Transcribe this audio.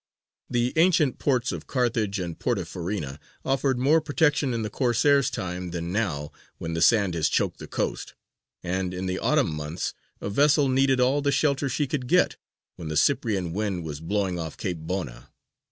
The ancient ports of Carthage and Porto Farina offered more protection in the Corsairs' time than now when the sand has choked the coast; and in the autumn months a vessel needed all the shelter she could get when the Cyprian wind was blowing off Cape Bona.